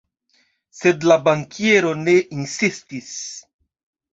Sed la bankiero ne insistis.